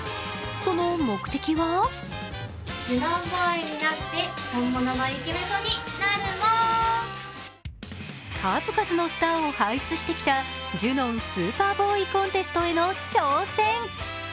その目的は数々のスターを輩出してきたジュノン・スーパーボーイ・コンテストへの挑戦。